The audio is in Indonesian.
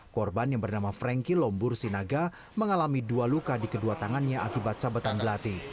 korban yang bernama frankie lombursinaga mengalami dua luka di kedua tangannya akibat sabatan belati